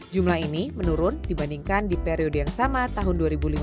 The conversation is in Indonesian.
jumlah ini menurun dibandingkan di periode yang sama tahun dua ribu lima belas